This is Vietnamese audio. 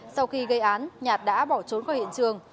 sau khi gây án nhạt đã bỏ trốn khỏi hiện trường